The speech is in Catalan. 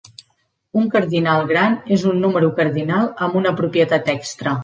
Un cardinal gran és un número cardinal amb una propietat extra.